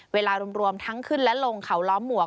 เวลารวมทั้งขึ้นและลงเขาล้อมหมวก